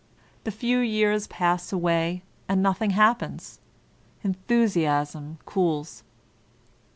The few years pass away and nothing hap pens ; enthusiasm cools.